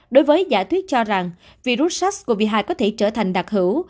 đối với giả thuyết cho rằng virus sars cov hai có thể trở thành đặc hữu